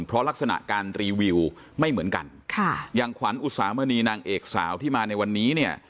เพราะลักษณะการรีวิวไม่เหมือนกันค่ะอย่างขวัญอุสามณีนางเอกสาวที่มาในวันนี้เนี่ย